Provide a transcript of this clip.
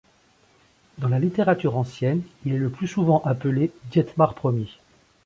Dans la littérature ancienne, il est le plus souvent appelé Dietmar Ier.